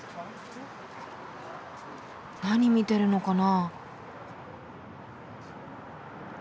何見てるのかな？